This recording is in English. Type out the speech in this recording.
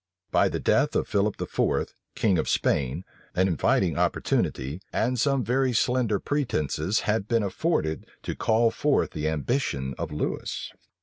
By the death of Philip IV., king of Spain, an inviting opportunity, and some very slender pretences, had been afforded to call forth the ambition of Lewis.